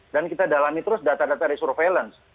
dan kita dalami terus data data dari surveillance